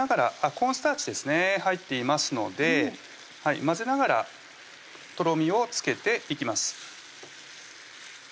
コーンスターチですね入っていますので混ぜながらとろみをつけていきます